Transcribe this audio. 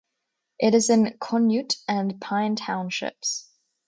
It is in Conneaut and Pine townships.